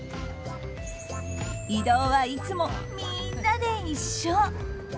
移動はいつもみんなで一緒。